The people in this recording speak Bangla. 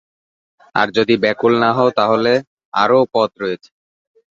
আর যদি ব্যাকুল না হও তাহলে তারও পথ রয়েছে।